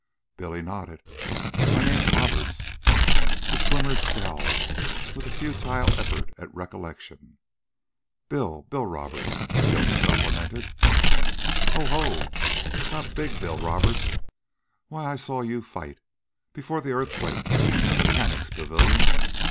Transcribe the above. Billy nodded. "My name's Roberts." The swimmer scowled with a futile effort at recollection. "Bill Bill Roberts," Billy supplemented. "Oh, ho! Not BIG Bill Roberts? Why, I saw you fight, before the earthquake, in the Mechanic's Pavilion.